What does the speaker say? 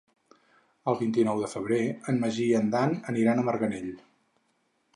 El vint-i-nou de febrer en Magí i en Dan aniran a Marganell.